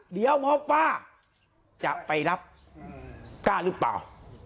เดี๋ยวหมอป้าจะไปรับป้าหรือเปล่า